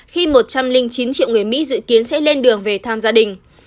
khi một trăm linh chín triệu người mỹ dự kiến sẽ lên đường về thăm gia đình